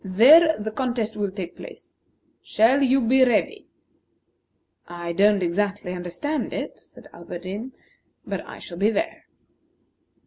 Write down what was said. There the contest will take place. Shall you be ready?" "I don't exactly understand it," said Alberdin, "but I shall be there."